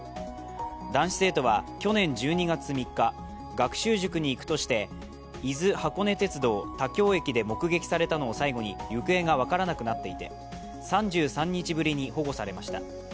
男子生徒は去年１２月３日学習塾に行くとして伊豆箱根鉄道・田京駅で目撃されたのを最後に行方が分からなくなっていて３３日ぶりに保護されました。